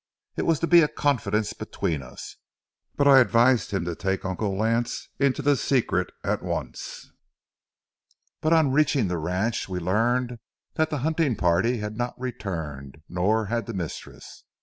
It was to be a confidence between us, but I advised him to take Uncle Lance into the secret at once. But on reaching the ranch we learned that the hunting party had not returned, nor had the mistress.